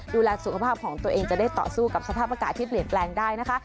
ดูแลสุขภาพของตัวเองจะได้ต่อสู้กับสภาพอากาศที่เปลี่ยนแปลงได้นะคะ